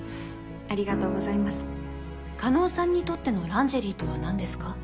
ありがとうございます叶さんにとってのランジェリーとは何ですか？